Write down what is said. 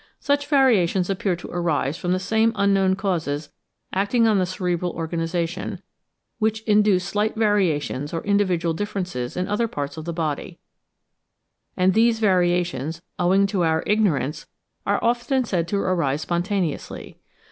Such variations appear to arise from the same unknown causes acting on the cerebral organisation, which induce slight variations or individual differences in other parts of the body; and these variations, owing to our ignorance, are often said to arise spontaneously.